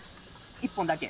１本だけ。